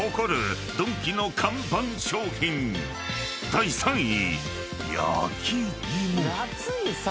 ［第３位］